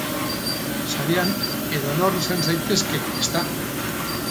Sarean edonor izan zaitezke, ezta?